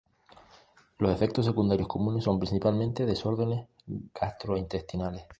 Los efectos secundarios comunes son principalmente desórdenes gastrointestinales.